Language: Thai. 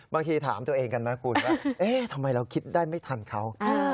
บางทีถามตัวเองกันนะกูทำไมเราคิดได้ไม่ทันเขา